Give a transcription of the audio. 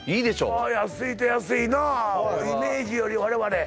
ああ安いといえば安いなイメージより我々